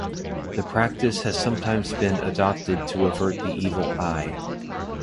The practice has sometimes been adopted to avert the Evil Eye.